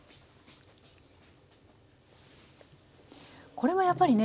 これはやっぱりね